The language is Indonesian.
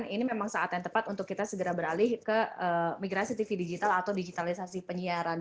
ini memang saat yang tepat untuk kita segera beralih ke migrasi tv digital atau digitalisasi penyiaran